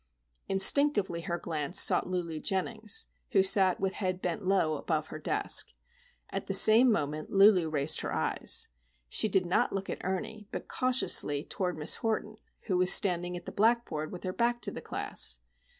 Instinctively her glance sought Lulu Jennings, who sat with head bent low above her desk. At the same moment Lulu raised her eyes. She did not look at Ernie, but cautiously toward Miss Horton, who was standing at the blackboard with her back toward the class.